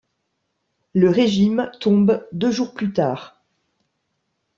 Le régime tombe deux jours plus tard.